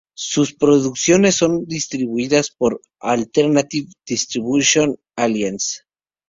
Sus producciones son distribuidas por Alternative Distribution Alliance.